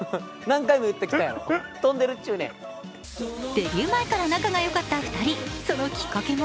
デビュー前から仲がよかった２人そのきっかけが